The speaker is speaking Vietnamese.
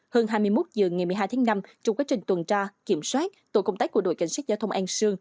hơn hai mươi một h ngày một mươi hai tháng năm trong quá trình tuần tra kiểm soát tổ công tác của đội cảnh sát giao thông an sương